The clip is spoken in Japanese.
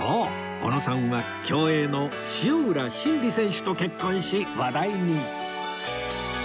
おのさんは競泳の塩浦慎理選手と結婚し話題に！